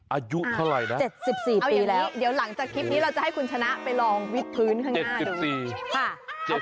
อายุเท่าไหร่นะ๗๔เอาอย่างนี้เดี๋ยวหลังจากคลิปนี้เราจะให้คุณชนะไปลองวิดพื้นข้างหน้าดู